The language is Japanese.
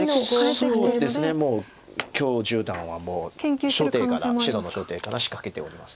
そうですねもう許十段は白の上底から仕掛けております。